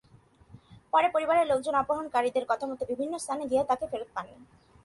পরে পরিবারের লোকজন অপহরণকারীদের কথামতো বিভিন্ন স্থানে গিয়েও তাকে ফেরত পায়নি।